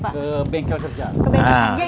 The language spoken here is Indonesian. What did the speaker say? ke bengkel kerjaan